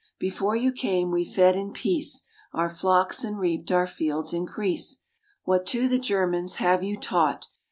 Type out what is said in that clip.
Before you came we fed in peace Our flocks and reaped our fields' increase. What to the Germans have you taught?